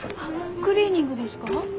クリーニングですか？